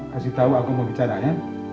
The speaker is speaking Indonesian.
kasih tahu aku mau bicara ya